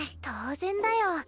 当然だよ。